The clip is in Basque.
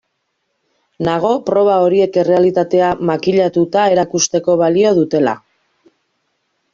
Nago proba horiek errealitatea makillatuta erakusteko balio dutela.